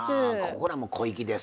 ここらも小粋です。